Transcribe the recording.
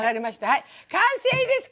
はい完成です！